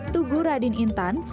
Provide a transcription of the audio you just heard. tugu radin intan